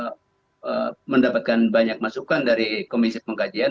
sehingga nanti komisi patwa sudah mendapatkan banyak masukan dari komisi pengkajian